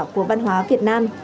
của văn hóa việt nam